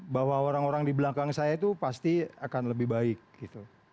bahwa orang orang di belakang saya itu pasti akan lebih baik gitu